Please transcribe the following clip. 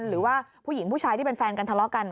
หรือว่าผู้หญิงผู้ชายที่เป็นแฟนกันทะเลาะกัน